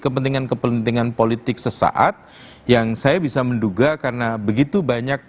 kepentingan kepentingan politik sesaat yang saya bisa menduga karena begitu banyak